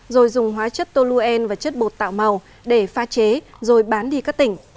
rồi dùng hóa chất toluen và chất bột tạo màu để pha chế rồi bán đi các tỉnh